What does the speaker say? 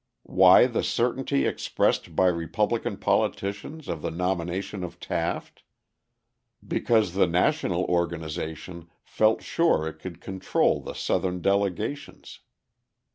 Why the certainty expressed by Republican politicians of the nomination of Taft? Because the national organisation felt sure it could control the Southern delegations.